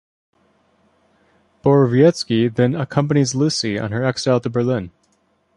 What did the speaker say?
Borowiecki then accompanies Lucy on her exile to Berlin.